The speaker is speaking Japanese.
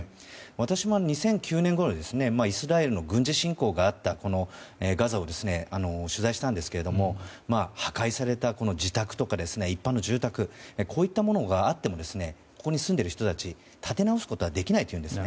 私も２００９年ごろイスラエルの軍事侵攻があったこのガザを取材しましたが破壊された自宅とか一般の住宅こういったものがあってもここに住んでいる人たち建て直すことができないというんです。